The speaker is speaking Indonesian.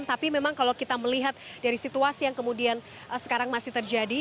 tapi memang kalau kita melihat dari situasi yang kemudian sekarang masih terjadi